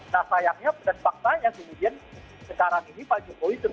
nah sayangnya dan faktanya kemudian sekarang ini pak jokowi